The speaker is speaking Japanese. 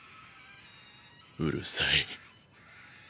うるさい